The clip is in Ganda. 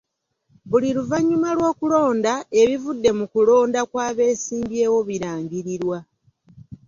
Buli luvannyuma lw'okulonda, ebivudde mu nkulonda kw'abeesimbyewo birangirirwa.